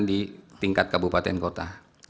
di tingkat kabupaten kota